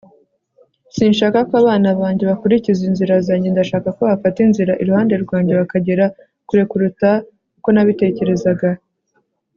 sinshaka ko abana banjye bakurikiza inzira zanjye. ndashaka ko bafata inzira iruhande rwanjye bakagera kure kuruta uko nabitekerezaga